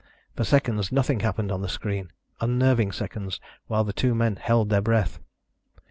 For seconds nothing happened on the screen, unnerving seconds while the two men held their breath.